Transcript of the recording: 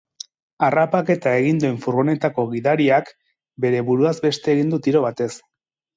Harrapaketa egin duen furgonetako gidariak bere buruaz beste egin du tiro batez.